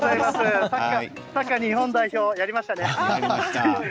サッカー日本代表、やりましたね。